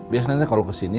biasanya nanti kalau kesini